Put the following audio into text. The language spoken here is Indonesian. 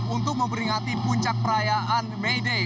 untuk memperingati puncak perayaan may day